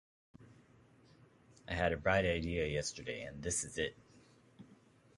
I had a bright idea yesterday, and this is it.